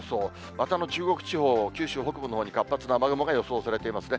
また中国地方、九州北部のほうに活発な雨雲が予想されていますね。